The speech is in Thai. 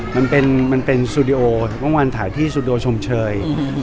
มันเป็นวันถ่ายที่สูดิโอ้ชมเชย